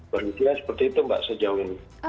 berhentilah seperti itu mbak sejauh ini